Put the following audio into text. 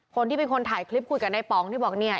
คนที่เป็นคนถ่ายคลิปคุยกับนายป๋องที่บอกเนี่ย